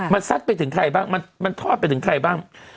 มันซัดไปถึงใครบ้างมันทอดไปถึงใครบ้าง